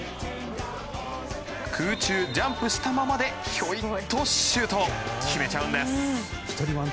空中ジャンプしたままでひょいっとシュートを決めちゃうんです！